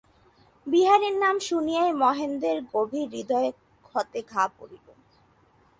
বিহারীর নাম শুনিয়াই মহেন্দ্রের গভীর হৃদয়ক্ষতে ঘা পড়িল।